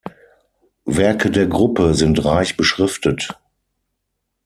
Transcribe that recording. Werke der Gruppe sind reich beschriftet.